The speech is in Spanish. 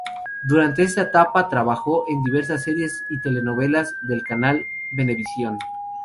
Durante esta etapa trabajo en diversas series y telenovelas del canal Venevisión.